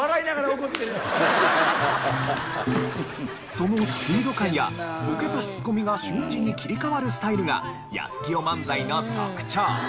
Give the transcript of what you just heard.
そのスピード感やボケとツッコミが瞬時に切り替わるスタイルがやすきよ漫才の特徴。